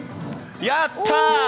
やったー！